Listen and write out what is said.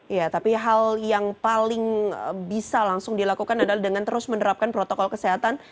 iya tapi hal yang paling bisa langsung dilakukan adalah dengan terus menerapkan protokol kesehatan